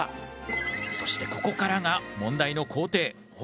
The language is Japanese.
そしてここからが問題の工程。